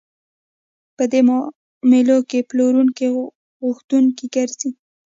په دې معاملو کې پلورونکی غوښتونکی ګرځي